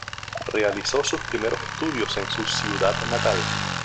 Realizó sus primeros estudios en su ciudad natal.